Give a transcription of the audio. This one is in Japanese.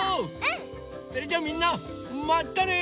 それじゃあみんなまたね！